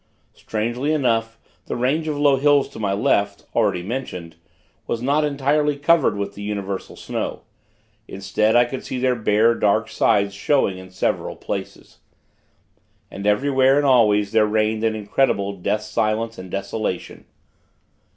Strangely enough, the range of low hills to my left already mentioned was not entirely covered with the universal snow; instead, I could see their bare, dark sides showing in several places. And everywhere and always there reigned an incredible death silence and desolation.